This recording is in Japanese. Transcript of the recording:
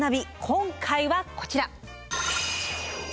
今回はこちら！